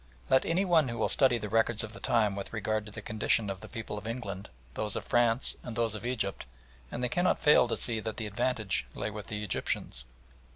Let any one who will study the records of the time with regard to the condition of the people of England, those of France, and those of Egypt, and they cannot fail to see that the advantage lay with the Egyptians.